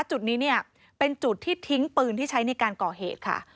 จุดนี้เนี่ยเป็นจุดที่ทิ้งปืนที่ใช้ในการก่อเหตุค่ะ